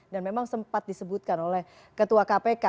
dan memang sempat disebutkan oleh ketua kpk